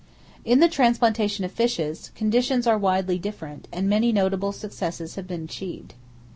In the transplantation of fishes, conditions are widely different, and many notable successes have been achieved.